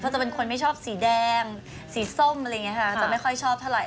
จะเป็นคนไม่ชอบสีแดงสีส้มอะไรอย่างนี้ค่ะจะไม่ค่อยชอบเท่าไห